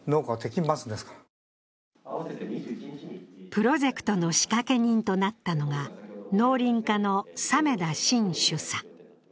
プロジェクトの仕掛け人となったのが、農林課の鮫田晋主査。